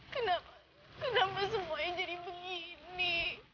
kenapa semuanya jadi begini